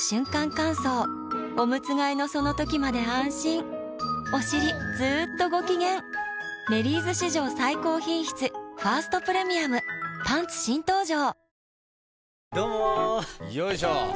乾燥おむつ替えのその時まで安心おしりずっとご機嫌「メリーズ」史上最高品質「ファーストプレミアム」パンツ新登場！